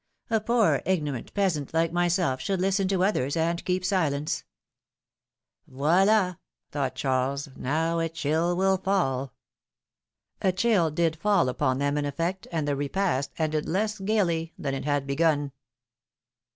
A poor, ignorant peasant like myself should listen to others and keep silence !" Voildi !" thought Charles. Now a chill will fall." A chill did fall upon them, in effect, and the repast ended less gayly than it had begun.